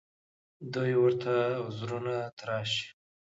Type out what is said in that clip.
دوی ورته عذرونه تراشي